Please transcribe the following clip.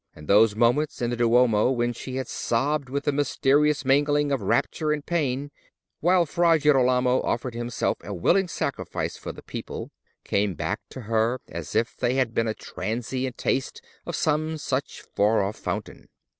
And those moments in the Duomo when she had sobbed with a mysterious mingling of rapture and pain, while Fra Girolamo offered himself a willing sacrifice for the people, came back to her as if they had been a transient taste of some such far off fountain.